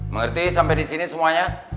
mengerti sampai disini semuanya